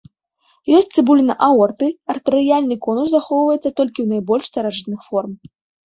Ёсць цыбуліна аорты, артэрыяльны конус захоўваецца толькі ў найбольш старажытных форм.